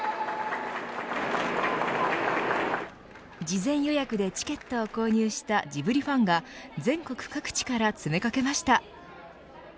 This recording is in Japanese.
事前予約でチケットを購入したジブリファンが全国各地から詰め掛けました。